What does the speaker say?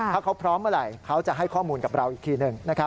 ถ้าเขาพร้อมเมื่อไหร่เขาจะให้ข้อมูลกับเราอีกทีหนึ่ง